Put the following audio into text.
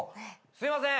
すいません！